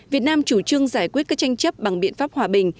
việt nam chủ trương giải quyết các tranh chấp bằng biện pháp hòa bình